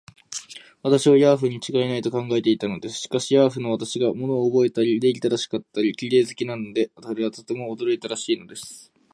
私をヤーフにちがいない、と考えていたのです。しかし、ヤーフの私が物をおぼえたり、礼儀正しかったり、綺麗好きなので、彼はとても驚いたらしいのです。